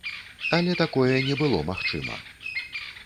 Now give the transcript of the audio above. Але такое не было магчыма.